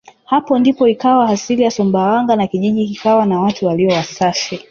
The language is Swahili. Hapo ndipo ikawa asili ya Sumbawanga na kijiji kikawa na watu walio wasafi